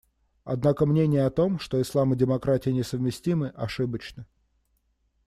Однако мнение о том, что Ислам и демократия несовместимы, ошибочно.